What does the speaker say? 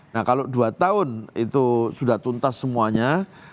nah kalau dua tahun itu sudah tuntas semuanya